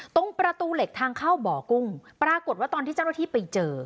ตรงประตูเหล็กทางเข้าบ่อกุ้งปรากฏว่าตอนที่เจ้าหน้าที่ไปเจอ